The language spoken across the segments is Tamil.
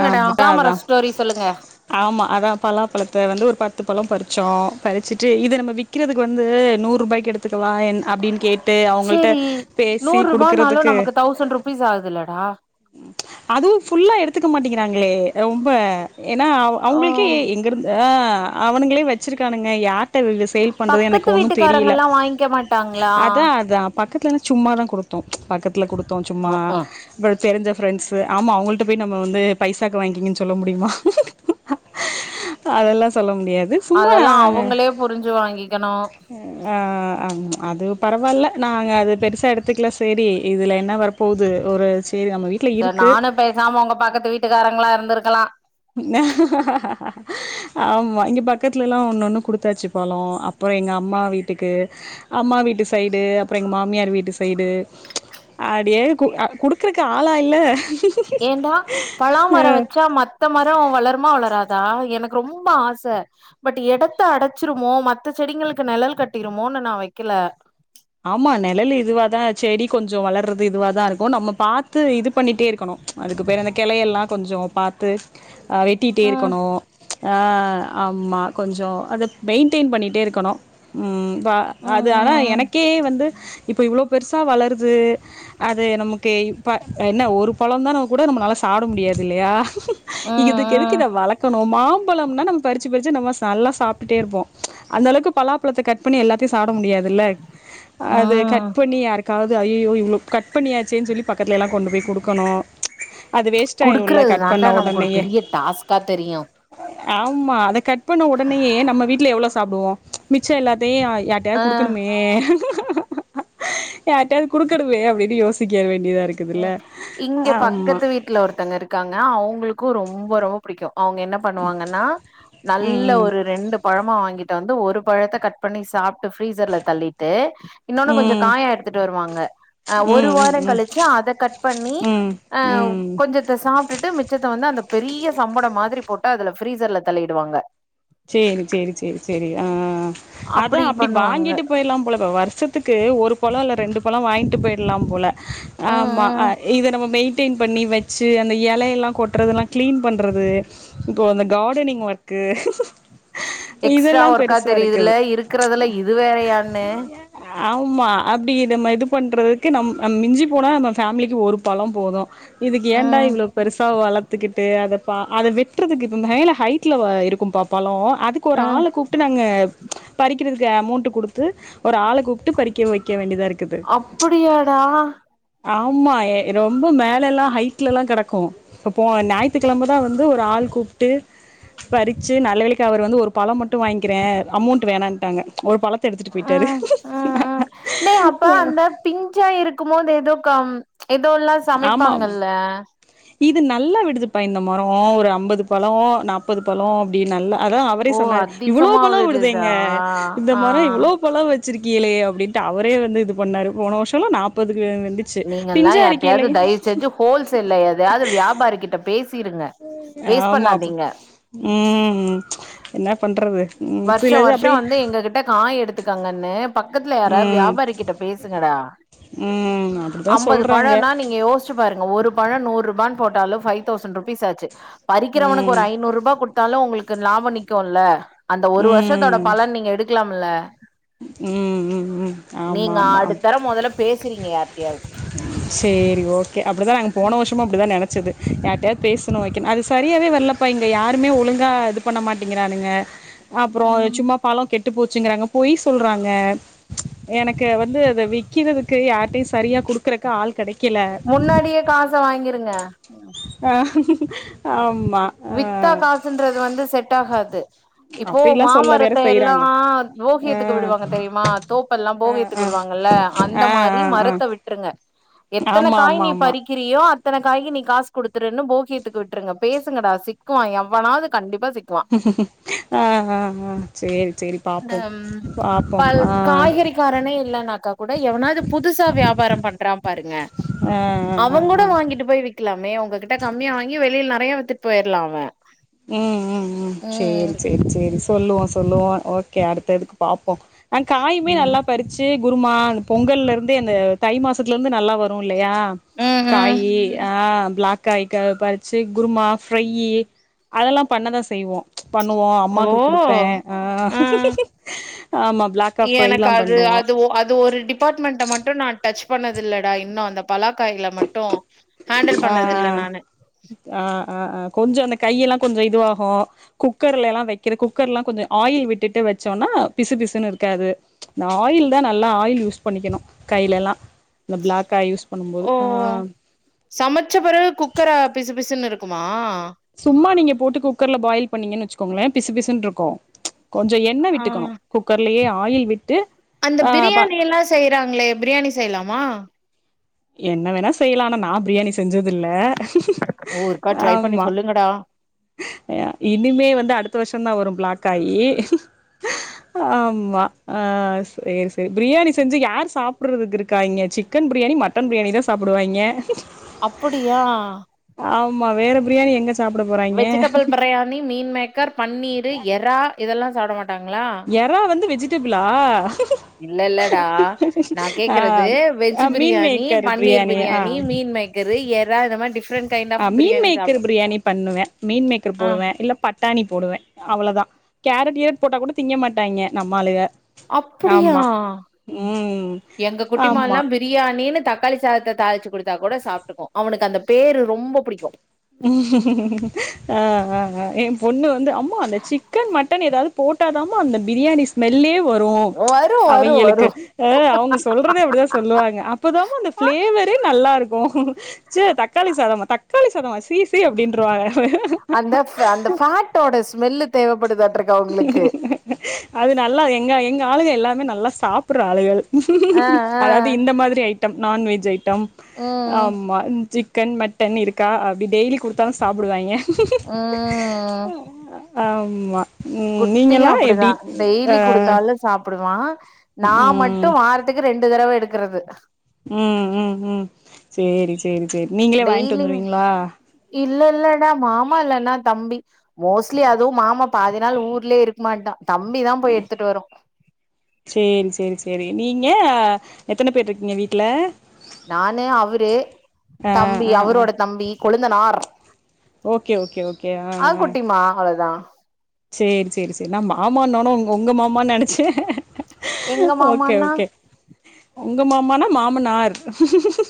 ஆ ஆமா ராமர அதா ஸ்டோரி சொல்லுங்க ஆமா அதா பலாப்பழத்த வந்து ஒரு பத்து பழம் பறிச்சோம் பறிச்சுட்டு இத நம்ம வீட் விறக்கிறதுக்கு வந்து நூறு ரூபாய்க்கு எடுத்துக்கவா அப்படின்னு கே ட்டு அவங்கள்ட சேரி பேசி நூறு ரூபானாலு குடுக்கறதுக்கு நமக்கு தௌசண்ட் ருபீஸ் ஆகுதுல்லடா அதுவும் ஃபுல்லா எடுத்துக்க மாட்டேங்கிறாங்களே ரொம்ப ஏன்னா ஓ அவங்களுக்கே எங்கிருந்து அவனுங்களே வச்சிருக்கானுங்க யாரட்ட சேல் பண்றது எனக்கு பக்கத்து ஒன்னு வீட்டுக்காரங்க தெரியல எல்லா வாங்கிக்க மாட்டாங்களா அதா அதா பக்கத்து சும்மா தா கொடுத்தோ பக்கத்துல கொடுத்தோ சும்மா ம்ஹும் இ தெரிஞ ஃரெண்ட்ஸ் ஆமா அவங்கள்ட்ட பேய் நம்ம வந்து பைசாக்கு வாங்கிங்கன்னு சொல்ல முடியுமா அதெல்லா சொல்ல முடியாது சும்மா அதெல்லா அவங்களே புரிஞ்சு வாங்கிக்கணு ஆ அது பரவால்ல நாங்க அது பெருசா எடுத்துக்கல சரி இதுல என்ன வர போது ஒரு சேரி நம்ம வீட்ல ச இருக்கு நானும் பேசாம உங்க பக்கத்து வீட்டுக்காரங்களா இருந்திருக்கலா ஆமா இங்க பக்கத்துலல்லா ஒன்ன ஒண்ணு குடுத்தாச்சு பழம் அப்புறம் எங்க அம்மா வீட்டுக்கு அம்மா வீட்டு சைடு அப்புறம் எங்க மாமியார் வீட்டு சைடு அப்படியே குடுக்குறக்கு ஆளா இல்ல ஏடா அ பலாமரம் வச்சா மத்த மரம் வளர்மா வளராது அதான் எனக்கு ரொம்ப ஆச பட் இடத்த அடச்சிருமோ மத்த செடிங்களுக்கு நெழல் கட்டிருமோன்னு நா வைக்கல ஆமா நெழலு இதுவாதா செடி கொஞ்சோ வளர்றது இதுவாதா இருக்கு நம்ம பாத்து இது பண்ணிட்டே இருக்கணு அதுக்கு பிறகு அந்த கெளையெல்லா கொஞ்சோ பாத்து ஆ வெட்டிட்டே ம் இருக்கணு ஆ ஆமா கொஞ்சோ அத மெயின்டெயின் பண்ணிட்டே இருக்கணு ம் வா அது ஆனா ம் எனக்கே வந்து இப்போ இவ்ளோ பெருசா வளருது அது நமக்கு இப்ப என்ன ஒரு பழம் தான கூட நம்ம நாலா சாப்ட முடியாது இல்லையா ம் இதுக்கு எதுக்கு ம் இத வளக் கணு மாம்பழம்னா நம்ம பறிச்சி பறிச்சி நம்ம நல்லா சாப்ட்டுட்டே இருப்போ அந்த அளவுக்கு பலாப் பழத்த கட் பண்ணி எல்லாத்தையு சாப்ட முடியாதுல்ல ம் அத ம் கட் பண்ணி யாருக் காவது அய்யய்யோ இவ்ளோ கட் பண்ணியாச்சேன்னு சொல்லி பக்கத்துலல்லா கொண்டு போய் குடுக்கணு அது வேஸ்ட் ஆயிருல்ல குடுக்கறது கட் பண்ண தாண்டா நமக்கு ஒரு உடனேயே பெரிய டாஸ்கா தெரியு ஆமா அத கட் பண்ண உடனேயே நம்ம வீட்ல எவ்ளோ சாப்டுவோ மிச்சோ எல்லாத்தையு ஆ யார்ட்டயாது குடுக்கணுமே ஏ யார்ட்டயாவது குடுக்கணுமே அப்டின்னு யோசிக்க வேண்டியதா இருக்கு ம் இங்க பக்கத்து வீட் ல ஒருத்தங்க இருக்காங்க அவுங்களுக்கு ரொம்ப ரொம்ப பிடிக்கு அவுங்க என்ன பண்ணுவாங்கன்னா நல்ல ம் ஒரு ரெண்டு பழமா வாங்கிட்டு வந்து ஒரு பழத்தை கட் பண்ணி சாப்ட்டு ஃப்ரீசர்ல தள்ளிட்டு இன்னொன்னு கொஞ்சோ ம் காயா எடுத்துட்டு வருவாங்க ஆ ம் ஒரு ம் வாரோ ம் கழிச்சி அத கட் பண்ணி ம் அ ம் கொஞ்சத்த சாப்ட்டுட்டு மிச்சத்த வந்து அந்த பெரிய சம்படம் மாதிரி போட்டு அதுல ஃப்ரீசர்ல தள்ளிடுவாங்க சேரி சேரி சேரி சேரி ஆ அதா அப்டி வாங்கிட்டு போயிறலா போல இப்ப வருஷத் துக்கு ஒரு பழம் இல்ல ரெண்டு பழம் வாங்கிட்டு போயிறலா போல ம் ஆமா ம் இத நம்ம மெயின் டெயின் பண்ணி வச்சி அந்த இலையல்லா கொட்றதெல்லா கிளீன் பண்றது இப்போ அந்த கார்டனிங் ஒர்க் எக்ஸ்ட்ரா ஒர்க்கா இருக்குது தெரியுதுல்ல இருக்கறதுல இது வேறயான்னு ஆமா அப்டி நம்ம இது பண்றதுக்கு நம் நம் மிஞ்சி போனா நம்ம ஃபேமிலிக்கு ஒரு பழம் போது இதுக்கு ஏண்டா ம் இவ்ளோ பெரிசா வளத்துக்கிட்டு அத அத வெட்றதுக்கு இப்ப மேல ஹைட்ல இருக்கும்பா பழம் அதுக் ஒரு ம் ஆள கூப்ட்டு நாங்க பறிக்கிறதுக்கு அமௌண்ட் குடுத்து ஒரு ஆள கூப்ட்டு விட்டு பறிக்க வைக்க வேண்டியதா இருக்குது அப்படியாடா ஆமா ரொம்ப மேலல்லா ஹைட்லல்லா கெடக்கு இப்ப போ ஞாயித்துக்கெழமதா வந்து ஒரு ஆள் கூப்ட்டு பறிச் சி நல்லவேளைக்கு அவர் வந்து ஒரு பழம் மட்டு வாங்கிக்கிறே அமௌண்ட் வேணான்ட்டாங்க ஒரு பழத்த எடுத்துட்டு போயிட்டாரு ம் ம் ம் டேய் அப்ப ஆ அந்த பிஞ்சா இருக்குமோது ஏதோ கம் ஏதோல்லா ஆமா ஆமா சமைப்பாங்கல்ல இது நல்லா விடுதுப்பா இந்த மரோ ஒரு அம்பது பழம் நாப்பது பழம் அப்டி நல்லா அதா அவரே ஓ சொன்னாரு இவ்ளோ அதிகமா பழம் விடுதேங்க வருதா இந்த ஆ மரம் இவ்ளோ பழம் வச் சிருக்கேயளே அப்டின்டு அவரே வந்து இது பண்ணாரு போன வருஷோல்லா நாப்பது வந்துச்சி பிஞ்சா இருக் எப்டியாது தயவு செஞ்சி ஹோல்சேல்ல எதையாவது வியாபாரிகிட்ட பேசிருங்க வேஸ்ட் ஆமா அப்ப பண்ணாதீங்க ம் என்ன பண்றது ம் வருஷோ சிலது வருஷோ அப்டியே வந்து எங்ககிட்ட காய் எடுத் துக்கோங்கன்னு பக்கத்துல யாராது ம் வியாபாரி கிட்ட பேசுங்கடா ம் அப்டிதா அம்பது சொல்றாங்க பழனா நீங்க யோச்சு பாருங்க ஒரு பழோ நூற்ரூபான் போட்டாலு ஃபைவ் தௌசண்ட் ரூபீஸ் ஆச்சி பறிக்கிறவனுக்கு ம் ஒரு ஐநூற்ரூபா குட்த்தாலு உங்களுக்கு லாபோ நிக்குல்ல அந்த ஒரு வருஷத்தோட ம் பலன் நீங்க எடுக்கலாம் இல்ல ம் ம் ம் நீங்க அடுத்தர மொதல்ல பேசுறீங்க யார்ட்டயாவது செரி ஓகே அப்டிதா நாங்க போன வர்ஷ் இன்மு அப்டிதா நெனச்சது யார்டையாத் பேசனு வைக்கனு அது சரியாவே வரலப்பா இங்க யாருமே ஒழுங்கா அது பண்ண மாட்டிங்கிறானுங்க அப்புறோ சும்மா பழோ கெட்டு போச்சுங்கிறாங்க பொய் சொல்றாங்க எனக்கு வந்து அத விக்கிறதுக்கு யார்ட்டையு சரியா குடுக்கறக்கு ஆள் கெடைக்கல முன்னாடியே காச வாங்கிருங்க ஆ ஆமா ஆ வித்தா காசுன்றது வந்து செட் ஆகாது இப்போ அப்டிலா சொல்ல வேற மாமரத்த எல்லா செய்றாங்க ஆ போகியத்துக்கு விடுவாங்க தெரியுமா தோப் பெல்லா ஆ போகியத்துக் ஆ விடுவாங்கல்ல அந்த ஆ மாரி ஆ ஆ மரத்த விட்ருங்க எத்தன ஆமா காய் ஆமா நீ ஆமா பறிக் கிறியோ அத்தன காய்க்கு நீ காசு குடுத்துருன்னு போகியத்துக்கு விட்ருங்க பேஸ் துங்கடா சிக்குவா எவ்வனாது கண்டிப்பா சிக் ஆ ஆ ஆ சேரி சேரி பாப்போ பாப்போ ப ஆ காய்கறி காரனே இல்லன்னாக்கா கூட எவனாவது புதுசா வியாபாரம் பண்றா பாருங்க ஆ அவ ஆ ஆ கூட ஆ வாங்கிட்டு போய் விக் க்லாமே உங்ககிட்ட கம்மியா வாங்கி வெளியில நெறைய வித்துட் போய்ர்லா அவ ம் ம் ம் செரி செரி செரி சொல்லுவோ சொல்லுவோ ஓகே அடுத்ததுக்கு பாப்போ அ காயுமே ம் நல்லா பறிச்சி குருமா அந்த பொங்கல்லருந்து அந்த தை மாசத்துல இந்து நல்லா வ ரு இல்லையா ம் காயி ஆ பிளாக் காய் கா பறிச்சி குருமா ஃப்ரையி அதெல்லா பண்ணதா செய்வோ பண்ணுவோ ஓ அம்மாக்கு குடுப்பே ஆ ம் ஆமா பிளாக் எனக்கு அது அது ஒ அது ஒரு டிப் பாட்மெண்ட மட்டு நா டச் பண்ணது இல்லடா இன்னு அந்த பலாக்காய்ல மட்டு ஹேண்டில் ஆ பண்ணது இல்ல நானு ஆ ஆ ஆ ஆ கொஞ்ச அந்த கையெல்லா கொஞ்ச இதுவாகு குக்கர்ல எல்லா வைக்கிற குக்கர்லா கொஞ்ச ஆயில் விட்டுட்டு வச்சோனா பிசு பிசுனு இருக்காது இந்த ஆயில் தா நல்லா ஆயில் யூஸ் பண்ணிக்கணு கைல எல்லா இந்த பிளாக்கா யூஸ் பண்ணு போது ஆ சமச்ச பெறவு குக்கர பிசு பிசுன் இருக்குமா சும்மா நீங்க போட்டு குக்கர்ல பாயில் பண்ணீங்கன் வச்சுக்கோங்களே பிசு பிசுன்ருக்கு கொஞ்ச எண்ணெ ஆ விட்டுக்கனு குக்கர்லயே ஆயில் விட்டு அந்த ஆ ப பிரியாணி எல்லா செய்றாங்ளே பிரியாணி செய்யலாமா என்ன வேணா செய்யலா ஆனா நா பிரியாணி செஞ்சது இல்ல ஆமா எங்கடா அ இனிமே வந்து அடுத்த வருஷ தா வரு பிளாக் காயி ஆமா ஆ செரி செரி பிரியாணி செஞ்சி யார் சாப்புறதுக்கு இருக்கா இங்க chicken biryani mutton biryani தா சாப்டுவாய்ங்கே அப்படியா ஆமா வேற பிரியாணி எங்க சாப்ட vegetable biryani meal maker paneer எரா இதெல்லா சாப்ட மாட்டாங்ளா எறா வந்து வெஜிடபிளா இல்ல இல்லடா நா ஆ கேக்கறது வெஜ் ஆ மீன் பிரியாணி மேக்கர் பன்னீர் ஆ பிரியாணி மீ ன்மேக்கரு எறா இந்த மாரி டிஃப்ரெண்ட் கைண்ட் ஆ ஆஃப் பிரியாணி மீன்மேக்கர் சாப்டு பிரியாணி பண்ணுவே மீன்மேக்கர் ஆ போடுவே இல்ல பட் டாணி போடுவே அவ்வளோதா கேரட் கீரட் போட்டா கூட திங்க மாட்டாங்க நம்மாளுக்க அப்படியா எங்க ஆமா குட்டிமாலா பி பிரியாணின்னு தக்காளி சாதத்த தாளிச்சு குடுத்தா கூட சாப்ட்டுக்கு அவனுக்கு அந்த பேரு ரொம்ப புடிக்கு ஆ, ஆ அ என் பொண்ணு வந்து அம்மா அந்த சிக்கன் மட்டன் ஏதாவது போட்டாதாம்மா அந்த பிரியாணி ஸ்மெல்லே வரு, வரு வரு வரு அவங்களுக்கு அ அவங்க சொல்றதே அப்டிதா சொல்லுவாங்க அப்பதாம்மா அந்த பிளேவரே நல்லா இருக்கு ச தக்காளி சாதமா தக்காளி சாதமா சீ சி அப்படின்றவாங்க அந்த ஃபே அந்த ஃபேட்டோட ஸ்மெல்லு தேவைப்படுதாட்டுருக்கு அது நல்லா எங்க எங்க ஆளுக எல்லாமே நல்லா சாப்புட்ற ஆளுகள் ஆ ஆ அதாவது இந்த மாதிரி ஐட்டம் நான்வெஜ் ஐட்டம் ம் ஆமா சிக்கன் மட்டன் இருக்கா அப்டி டெய்லி குடுத்தாலு சாப்டுவாங்க ம் ஆமா ம் குட்டியு நீங்கல்லா அப்படிதா எப்டி ஆ டெய்லி குடுத்தாலு சாப்பிடுவா நா ம் மட்டு வாரத்துக்கு ரெண்டு தடவ எடுக்கறது ம், ம், ம் சேரி சேரி சேரி நீங்களே வாங்கிட்டு டெய்லி வந்துருவீங்களா இல்ல இல்லடா மாமா இல்லன்னா தம்பி மோஸ்ட்லி அதுவு மாமா பாதி நாள் ஊருலயே இருக்க மாட்டா தம்பிதா போய் எடுத்துட்டு வரு சேரி சேரி சேரி நீங்க எத்தன பேர் இருக்கீங்க வீட்ல நானு அவரு ஆ தம்பி ஆ ஆ அவரோட தம்பி கொழுந்தனார் ஓகே ஓகே ஓகே ஆ குட்டிமா அவ்ளோதா சேரி சேரி சேரி நா மாமான்னோன உங்க மாமானு நெனைச்சே எங்க ஓகே மாமான்னா ஓகே உங்க மாமானா மாமனார் உ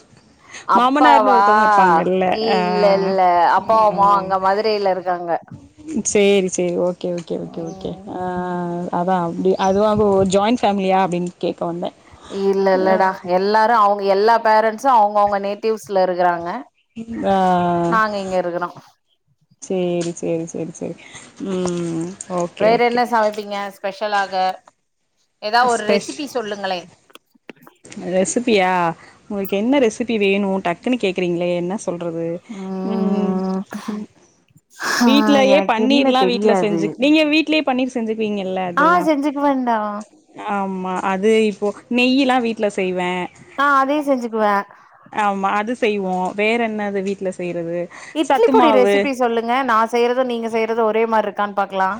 மாமனார்ன்னு அப்பாவா ஒருத்தவங்க இருப்பாங்கல்ல அ, இல்ல இல்ல அப்பா அம்மா ம் அங்க மதுரையில இருக்காங்க சேரி சேரி ஓகே ஓகே ஓகே ஓகே ம் அ அதா அப்டி அதுவு அவ ஜாயிண்ட் ஃபேமிலியா அப்டின்னு கேக்க வந்தே இல்ல இல்லடா எல்லாரு அவங்க எல்லா பேரண்ட்ஸ்சும் அவங்க அவுங்க நேட்டிவ்ஸ்ல இருக்கறாங்க ஆ நாங்க இங்க இருக்கிறோ சேரி சேரி சேரி சேரி, ம் ஓகே வேற ஓகே என்ன சமைப்பீங்க ஸ்பெஷலாக ஏதா ஒரு ஸ்பெஷ் ரெசிபி சொல்லுங்களே ரெசிபியா உங்களுக்கு என்ன ரெசிபி வேணு டக்குன்னு கேக்குறீங்களே என்ன சொல்றது ம் ஆ வீட்லயே எனக்கு என்ன பனீர்ல்லா வீட்ல தெரியாது செஞ்சு நீங்க வீட்லயே பனீர் செஞ்சுக்குவீங்கல்ல அதெல்லா வன்டா ஆமா அது இப்போ நெய்யில்லா வீட்ல செய்வே ஆ அதையு செஞ்சுக்குவே ஆமா அது செய்வோ வேற என்னது வீட்ல செய்றது இட்லி சத்து பொடி மாவு ரெசிபி சொல்லுங்க நா செய்றதும் நீங்க செய்றது ஒரே மாரி இருக்கான்னு பாக்கலா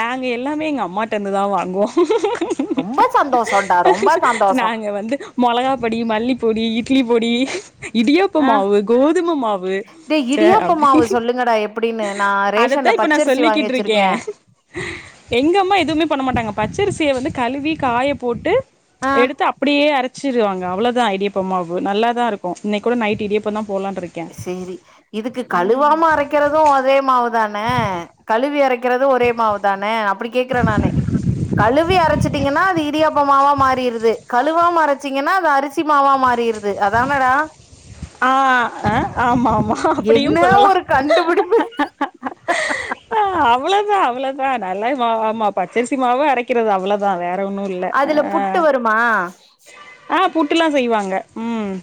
நாங்க எல்லாமே எங்க அம்மாட்ட இருந்துதா வாங்குவோ ரொம்ப சந்தோஷம்டா ரொம்ப சந்தோஷோ நாங்க வந்து மொளகா பொடி, மல்லிப்பொடி இட்லி பொடி, இடியாப்ப ம் மாவு, கோதும மாவு டேய் ச இடியாப்ப அப்டி மாவு சொல்லுங்கடா எப்டின்னு நா அதத்தா ரேஷன்ல இப்ப நா பச்சரிசி வாங்கி சொல்லிகிட்ருக்கே வச்சிருக்கே எங்க அம்மா எதுவுமே பண்ண மாட்டாங்க பச்சரிசிய வந்து கழுவி காய போட்டு ஆ எடுத்து அப்டியே அரைச்சிருவாங்க அவ்ளோதா இடியாப்பமா வு நல்லாதா இருக்கு இன்னைக்கி கூட நைட் இடியப்போ தா போட்லானு இருக்கே தெரி இதுக்கு ம் கழுவாம அரைக்கிறது அதே மாவுதானே கழுவி அரைக்கிறது ஒரே மாவு தானே அப்டி கேக்குறே நானு கழுவி அரைச்சிட்டீங்கன்னா அது இடியாப் பா மாவா மாறிருது கழுவா அரைச்சீங்கன்னா அது அரிசி மாவா மாறிருது அதானடா ஆ அ ஆமா ஆமா அப்டியு என்ன சொல்லலா ஒரு கண்டுபிடிப்பு ஆ அவ்ளோதா அவ்ளோதா நல்லாய் மாவா ஆமா பச்சரிசி மாவு அரைக்கிறது அவ்ளோ தா வேற ஒன்னு இல்ல அதுல ஆ புட்டு வருமா ஆ புட்டுல்லா செய்வாங்க ம்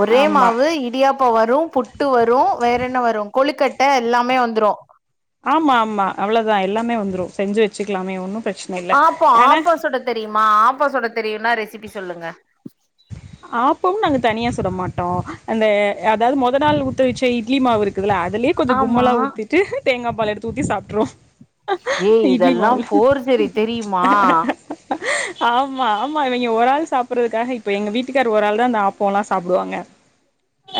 ஒரே ஆமா மாவு இடியாப்பா வரு புட்டு வரு வேற என்ன வரு கொழுக்கட்ட எல்லாமே வந்துரு ஆமா ஆமா அவ்ளோதா எல்லாமே வந்துரு செஞ்சு வச்சுக்கலாமே ஒன்னு ப்ரச்சன இல்ல ஆப்போ ஆனா ஆப்போ சுட தெரியுமா ஆப்போ சுட தெரியும்னா ரெசிபி சொல்லுங்க ஆப்போ நாங்க தனியா சுட மாட்டோ அந்த அதாவ்து மொத நாள் ஊத்த வச்ச இட்லி மாவு இருக்குதுல்ல அதுலயே கொஞ்ச ஆமா கும்மலா ஊத்திட்டு தேங்கா பால் எடுத்து ஊத்தி சாப்ட்ருவோ ஏ இதெல்லா ஃபொர் ஜெரி தெரியுமா ஆமா ஆமா இவ்ங்க ஒரு ஆள் சாப்பறதுக்காக இப்ப எங்க வீட் டுக்கராரு ஒரு ஆள் அந்த ஆப்போம்லா சாப்டுவாங்க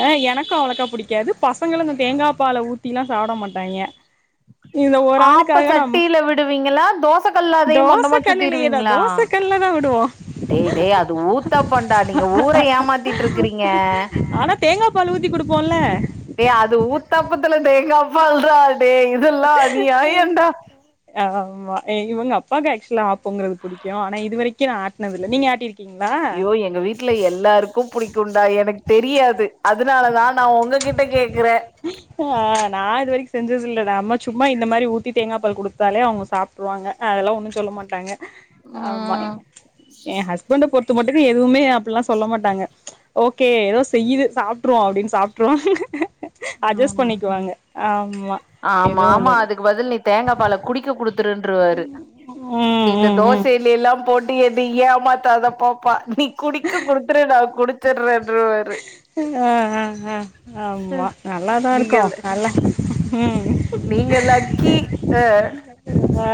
ஆ எனக்கு அவ்வளக்கா புடிக்காது பசங்களு இந்த தேங்கா பால ஊத்தில்லா சாப்ட மாட்டாங்க இந்த ஒரு ஆப்ப ஆளுக்காக நம் சட்டியில விடுவீங்களா தோசைக்கல்ல அதையு தோச மொத்தமா கல்லுலியேதா சுத்திருவீங்களா தோச கல்லதா விடுவோ டே டே அது ஊத்தாப்பாண்டா நீங்க ஊர ஏமாத்திட் இருக்கறீங்க ஆனா தேங்கா பால் ஊத்தி குடுப்போல ஏ அது ஊத்தப்பத்துல தேங்கப்பால்றா டே இதெல்லா அந்நியயாண்டா ஆமா இவுங்க அப்பாவுக்கு ஆக்சுவலா ஆப்போங்கறது புடிக்கு ஆனா இது வரைக்கு நா ஆட்னது இல்ல நீங்க ஆட்டிருக் யோ எங்க வீட் டுல எல்லாருக்கு புடிக்கும்ண்டா எனக்கு தெரியாது அதனாலதா நா உங்ககிட்ட கேக்குறே ஆ நா இது வரைக்கு செஞ்சதில்லட நம்மா சும்மா இந்த மாரி ஊத்தி தேங்கா பால் குடுத்தாலே அவுங்க சாப் புடுவாங்க அதெல்லா ஒன்னு சொல்ல மாட்டாங்க ஆமா ம் எ ஹஸ்பண்ட பொறுத்த மட்டுக்கு எதுவுமே அப்பில்லா சொல்ல மாட்டாங்க ஓகே ஏதோ செய்யுது சாப்ட்ருவோ அப்டின்னு சாப்ட்ருவாங்க அட்ஜஸ்ட் ம் பண்ணிக்குவாங்க ஆமா ஆமா எதுவு அதெல் [unintelligible] பதில் நீ தேங்கா பால குடிக்க குடுத்துருன்ருவாரு நீ ம் இந்த ம் ம் தோசையில எல்லா போட்டு எது ஏமாத்ததா பாப்பா நீ குடிக்க குடுத்துரு நா குடுச்சிடுறேன்ருவாரு ஆ ஆ ஆ ஆமா நல்லாதா இருக்கு நீங்கள் நீங்க நல்லா ம் நீங்க லக்கி அ ஆ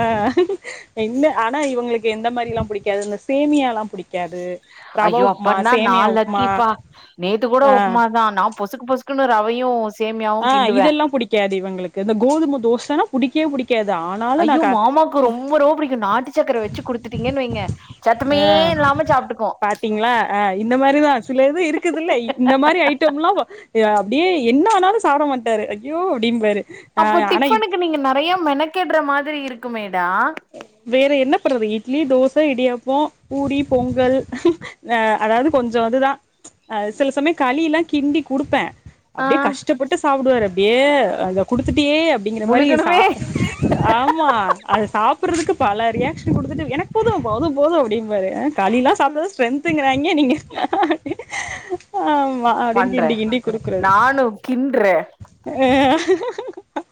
என்ன ஆனா இவுங்களுக்கு எந்த மாரியெல்லா புடிக்காது இந்த சேமியாலலா புடிக்காது ரவா ஐயோ உப்மா அப்பனா நா சேமியா உப்மா லக்கிப்பா நேத்து கூட ஆ உப்மாதா நா பொசுக்கு பொசுக்குன்னு ரவையு சேமியாவு ஆ கிண்டுவே இதெல்லா புடிக்காது இவுங்களுக்கு இந்த கோதும தோசைன்னா புடிக்கவே புடிக்காது ஆனா ஐயோ மாமாக்கு ரொம்ப ரொம்ப புடிக்கு நாட்டு சக்கர வச்சு குடுத்துட்டீங்கன்னு வைங்க சத்தமே ஆ இல்லாம சாப்ட்டுக்கு பாத்தீங்களா ஆ இந்த மாரிதா சில இது இருக்குதுல்ல இந்த மாதிரி ஐட்டம்லா எ அப்டியே என்ன ஆனாலு சாப்ட மாட்டாரு ஐயோ அப்டிம்பாரு ஆ அப்போ ஆனா இப் டிஃபனுக்கு நீங்க நெறையா மெனக்கிடுற மாதிரி இருக்குமேடா வேற என்ன பண்றது இட்லி தோச இடியாப்போ பூரி பொங்கல் அ அதாவது கொஞ்சொ அதுதா அ சில சமயொ கலிலா கிண்டி குடுப்பே ஆ அப்டியே கஷ்டப்பட்டு சாப்டுவாரு அப்டியே அத குடுத்துட்டீயே அப்டிங்கிற மாரி சா முழுகணுமே ஆமா அத சாப்புருதுக்கு பல ரியாக்ஷன் குடுத்துட்டு எனக்கு போது போது போது அப்டிம்பாரு ஆ கலிலா சாப்ட்டாதா ஸ்ட்ரென்த்ங்கிறாய்ங்கே நீங்க ஆமா அப்டின்னு பண்றே கிண்டி கிண்டி குடுக்கறது நானு கின்றே